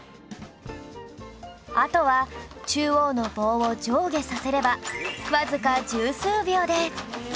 あとは中央の棒を上下させればわずか十数秒で